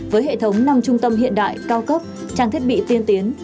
với hệ thống năm trung tâm hiện đại cao cấp trang thiết bị tiên tiến